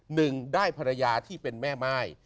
หนึ่งได้ภรรยาที่เป็นแม่ม่าย